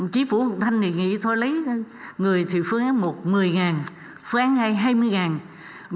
chí phủ học thanh thì nghĩ thôi lấy người thì phương án một một mươi phương án hai hai mươi